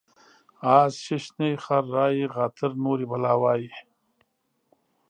اس ششني ، خر رایي غاتر نوري بلا وایي.